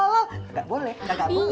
nggak boleh nggak boleh